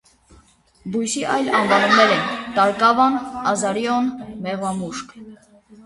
Բույսի այլ անվանումներն են՝ տարկավան, ազարիոն, մեղվամուշկ։